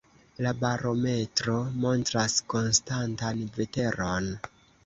La barometro montras konstantan veteron.